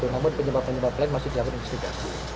namun penyebab penyebab lain masih dilakukan investigasi